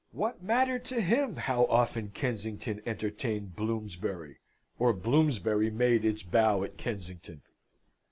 What mattered to him how often Kensington entertained Bloomsbury, or Bloomsbury made its bow at Kensington?